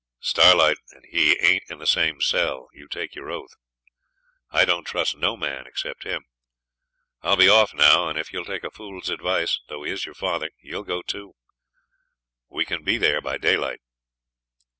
'Starlight and he ain't in the same cell, you take your oath. I don't trust no man except him. I'll be off now, and if you'll take a fool's advice, though he is your father, you'll go too; we can be there by daylight.'